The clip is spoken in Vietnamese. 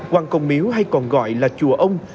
hoàng công miếu hay còn gọi là chùa ông